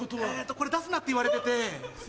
これ出すなって言われてて。